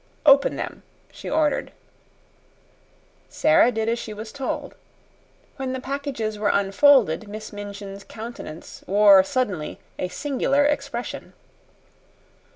"Open them," she ordered. Sara did as she was told. When the packages were unfolded Miss Minchin's countenance wore suddenly a singular expression.